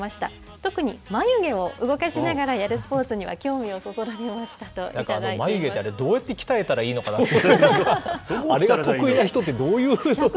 特に眉毛を動かしながらやるスポーツには興味をそそられましたとやっぱ眉毛って、どうやって鍛えたらいいのかなって、あれが得意な人ってどういうふうな。